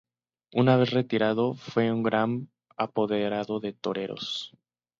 Una vez retirado fue un gran apoderado de toreros.